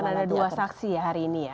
karena ada dua saksi ya hari ini ya